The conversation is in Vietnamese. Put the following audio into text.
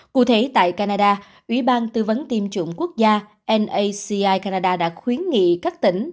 cụ thể tại canada ủy ban tư vấn tiêm chủng quốc gia naci canada đã khuyến nghị các tỉnh